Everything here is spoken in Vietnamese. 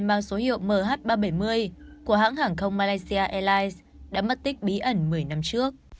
mang số hiệu mh ba trăm bảy mươi của hãng hàng không malaysia airlines đã mất tích bí ẩn một mươi năm trước